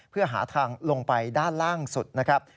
เพื่อหาทางลงไปด้านล่างสุดนะครับ